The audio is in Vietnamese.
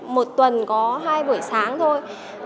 một tuần có hai buổi sáng thôi